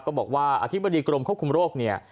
บอกว่าอธิบดีกรมควบคุมโรคเนี่ย